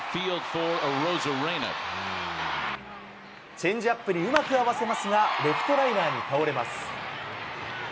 チェンジアップにうまく合わせますが、レフトライナーに倒れます。